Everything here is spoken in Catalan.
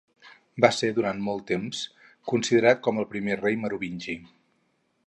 Va ser doncs durant molt de temps considerat com el primer rei merovingi.